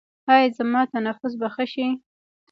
ایا زما تنفس به ښه شي؟